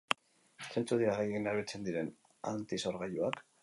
Zeintzuk dira gehien erabiltzen diren antisorgailuak?